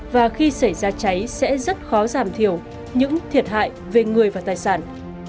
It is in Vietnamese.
và khi xảy ra cháy sẽ rất khó giảm thiểu những thiệt hại về người và tài sản